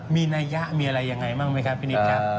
มีนัยยะมีอะไรยังไงบ้างไหมครับพี่นิดครับ